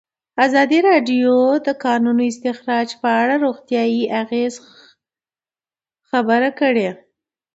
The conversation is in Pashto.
ازادي راډیو د د کانونو استخراج په اړه د روغتیایي اغېزو خبره کړې.